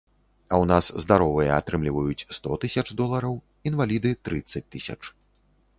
А ў нас здаровыя атрымліваюць сто тысяч долараў, інваліды трыццаць тысяч.